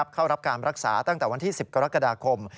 เข้ารับการรักษาตั้งแต่วันที่๑๐กรกฎาคม